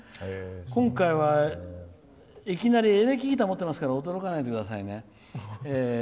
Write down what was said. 今回は、いきなりエレキギター持ってますけど驚かないでくださいね。